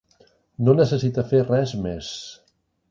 No necessita fer res més.